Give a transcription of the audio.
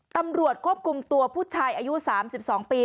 ตำรวจควบคุมตัวผู้ชายอายุ๓๒ปี